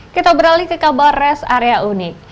kita beralih ke kabar rest area unik